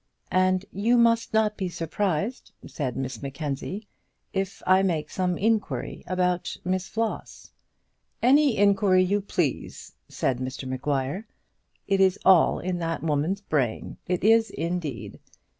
"And you must not be surprised," said Miss Mackenzie, "if I make some inquiry about Miss Floss." "Any inquiry you please," said Mr Maguire. "It is all in that woman's brain; it is indeed.